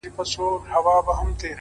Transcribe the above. هره تېروتنه د نوي فهم دروازه ده،